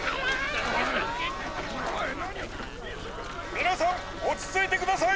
みなさんおちついてください！